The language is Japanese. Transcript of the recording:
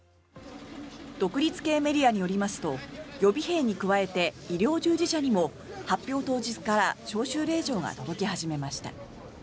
独立系メディアによりますと予備兵に加えて医療従事者にも発表当日から招集令状が届き始めました。